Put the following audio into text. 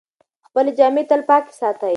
خپلې جامې تل پاکې ساتئ.